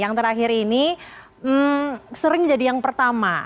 yang terakhir ini sering jadi yang pertama